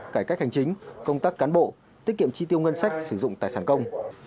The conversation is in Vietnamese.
cải cách hành chính công tác cán bộ tiết kiệm chi tiêu ngân sách sử dụng tài sản công